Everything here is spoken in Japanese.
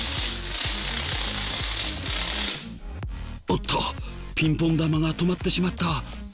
おっとピンポン球が止まってしまった！